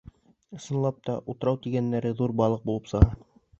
Ысынлап та, утрау тигәндәре ҙур балыҡ булып сыға.